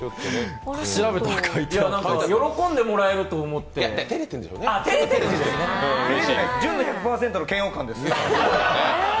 喜んでもらえると思って純度１００％の嫌悪感です。